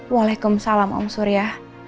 waalaikumsalam om surya